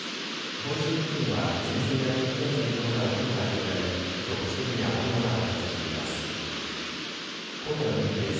本州付近は前線や低気圧に伴う雲が広がり局地的に雨雲が発達しています。